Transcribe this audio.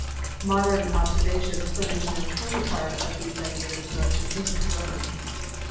Modern observations furnish no counterpart of these ideas of motion in the Corona.